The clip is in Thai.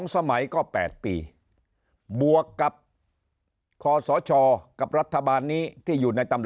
สมัยก็๘ปีบวกกับคอสชกับรัฐบาลนี้ที่อยู่ในตำห